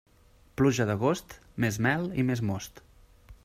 Pluja d'agost, més mel i més most.